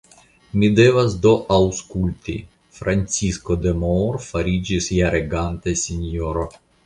Mi devas do aŭskulti, Francisko de Moor fariĝis ja reganta sinjoro.